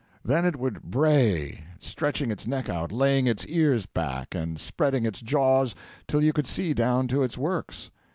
Then it would bray stretching its neck out, laying its ears back, and spreading its jaws till you could see down to its works.